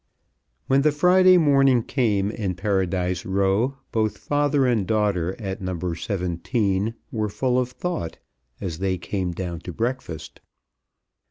When the Friday morning came in Paradise Row both father and daughter, at No. 17, were full of thought as they came down to breakfast.